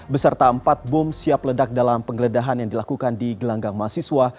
beserta empat bom siap ledak dalam penggeledahan yang dilakukan di gelanggang mahasiswa